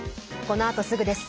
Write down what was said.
このあとすぐです。